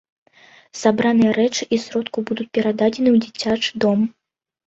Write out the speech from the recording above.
Сабраныя рэчы і сродку будуць перададзены ў дзіцячы дом.